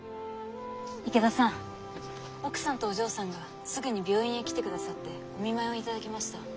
池田さん奥さんとお嬢さんがすぐに病院へ来てくださってお見舞いをいただきました。